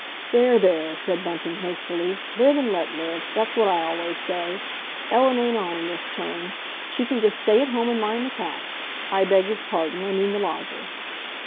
"There, there!" said Bunting hastily. "Live and let live—that's what I always say. Ellen ain't on in this turn. She can just stay at home and mind the cat—I beg his pardon, I mean the lodger!"